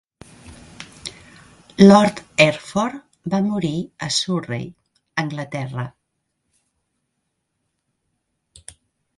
Lord Hertford va morir a Surrey (Anglaterra).